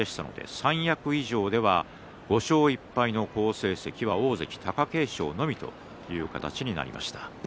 三役以上では５勝１敗の好成績は大関貴景勝のみという形になりました。